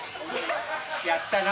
やったな？